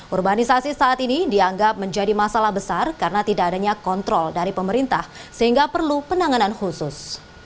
urbanisasi saat ini dianggap menjadi masalah besar karena tidak adanya kontrol dari pemerintah sehingga perlu penanganan khusus